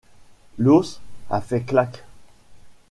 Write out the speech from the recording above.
L’os a fait clac !